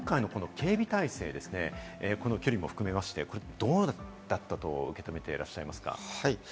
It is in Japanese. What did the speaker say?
今回のこの警備態勢ですね、距離も含めまして、どうだったと受け止めてらっしゃいますか？